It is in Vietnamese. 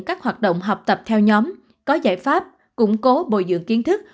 các hoạt động học tập theo nhóm có giải pháp củng cố bồi dưỡng kiến thức